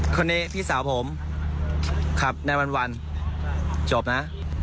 คนนี้พี่สาวผมขับแนววันจบนะ